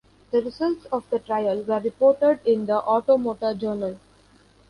The results of the trial were reported in The Automotor Journal.